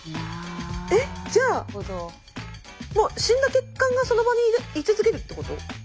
えじゃあもう死んだ血管がその場に居続けるってこと？